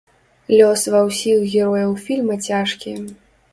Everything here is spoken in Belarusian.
Лёс ва ўсіх герояў фільма цяжкі.